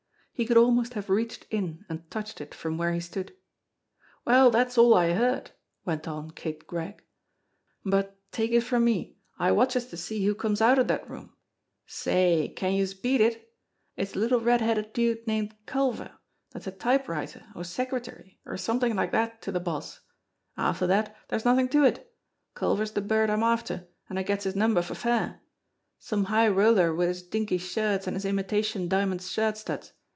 He could almost have reached in and touched it from where he stood. "Well, dat's all I heard," went on Kid Gregg ; "but, take it from me, I watches to see who comes outer dat room. Say, can youse beat it ! It's a little red headed dude named Culver, dat's a typewriter, or secretary, or somethin' like dat to de boss. After dat, dere's nothin' to it. Culver's de bird I'm after, an' I gets his number for fair. Some high roller wid his dinkey shirts an' his imitation diamond shirt studs